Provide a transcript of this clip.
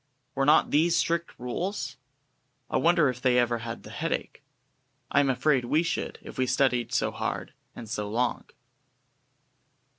Were not these strict rules? I wonder if they ever had the headache? I am afraid we should, if we studied so hard and so long.